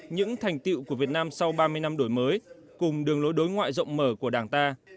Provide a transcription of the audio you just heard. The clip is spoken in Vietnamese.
những thành tiệu của việt nam sau ba mươi năm đổi mới cùng đường lối đối ngoại rộng mở của đảng ta